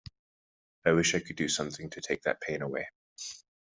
I wish I could do something to take that pain away.